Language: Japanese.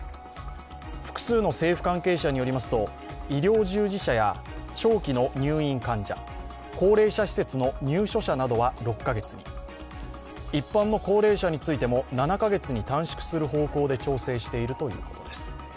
複数の政府関係者によりますと医療従事者や長期の入院患者、高齢者施設の入所者などは６カ月、一般の高齢者についても７カ月に短縮する方向で調整しているということです。